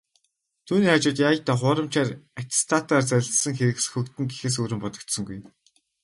Түүний хажууд "яая даа, хуурамч аттестатаар залилсан хэрэг сөхөгдөнө" гэхээс өөр юм ер бодогдсонгүй.